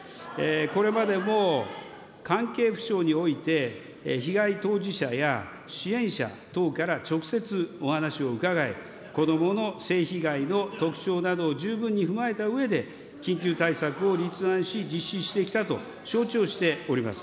これまでも関係府省において、被害当事者や支援者等から直接、お話を伺い、子どもの性被害の特徴などを十分に踏まえたうえで、緊急対策を立案し、実施してきたと承知をしております。